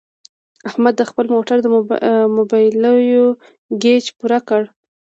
احمد د خپل موټر د مبلایلو ګېچ پوره کړ.